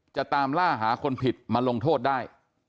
จะตามล่าหาคนผิดมาลงโทษได้